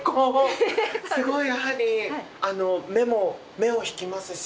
すごいやはり目を引きますし。